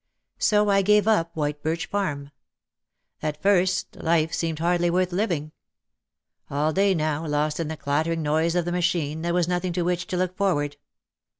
So I gave up White Birch Farm. At first life seemed hardly worth living. All day now lost in the clattering noise of the machine there was nothing to which to look forward.